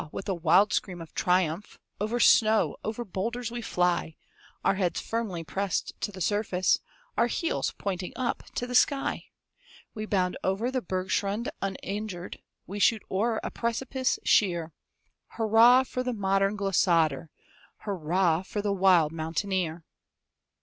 with a wild scream of triumph, Over snow, over boulders we fly, Our heads firmly pressed to the surface, Our heels pointing up to the sky! We bound o'er the bergschrund uninjured, We shoot o'er a precipice sheer; Hurrah, for the modern glissader! Hurrah, for the wild mountaineer!